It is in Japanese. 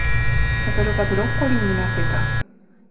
サドルがブロッコリーになってた